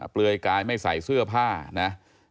เปลือยกายไม่ใส่เสื้อผ้านะ